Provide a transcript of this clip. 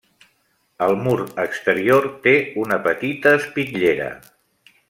Al mur exterior té una petita espitllera.